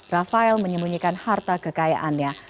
rafael menyembunyikan harta kekayaannya